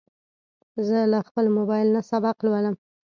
زه له خپل موبایل نه سبق لولم.